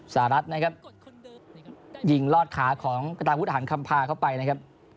สาระนะครับยิงลอดขาของกตาบุทธ์หนคำภาเข้าไปนะครับ